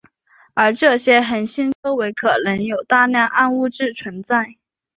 而这些恒星周围可能有大量暗物质存在。